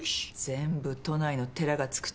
全部都内の寺が付く地名。